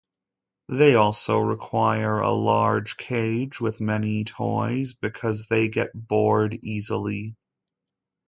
They also require a large cage with many toys because they get bored easily.